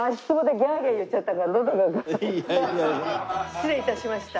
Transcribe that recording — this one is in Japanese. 失礼いたしました。